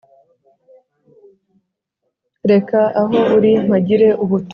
Reka aho uri mpagire ubuturo